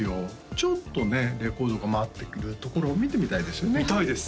ちょっとねレコードが回っているところを見てみたいですよね見たいです